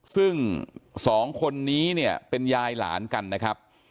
ซึ่งสองคนนี้เนี่ยเป็นยายหลานกันนะครับ